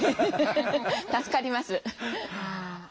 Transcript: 助かります。